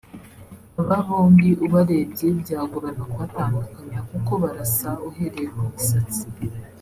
Aba bombi ubarebye byagorana kubatandukanya kuko barasa uhereye ku misatsi